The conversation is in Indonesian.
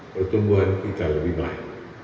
pertumbuhan kita lebih baik